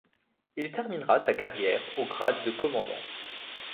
Il terminera sa carrière au grade de commandant.